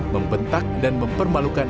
membentak dan mempermalukan